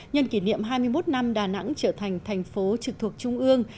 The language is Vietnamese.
nhân kỷ niệm hai mươi một năm đà nẵng trở thành thành phố trực thuộc trung ương